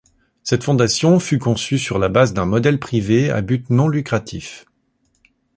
Cette fondation fut conçue sur la base d’un modèle privé à but non lucratif.